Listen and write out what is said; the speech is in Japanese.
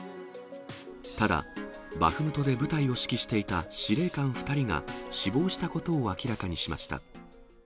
ただ、バフムトで部隊を指揮していた司令官２人が死亡したことを明らかにしました。